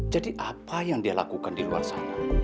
apa yang dia lakukan di luar sana